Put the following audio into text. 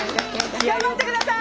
頑張って下さい！